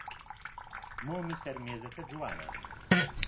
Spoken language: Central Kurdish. مۆمی سەر مێزەکە جوانە.